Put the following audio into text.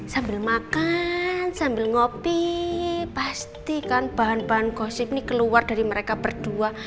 sambil makan sambil ngopi pastikan bahan bahan gosip ini keluar dari mereka berdua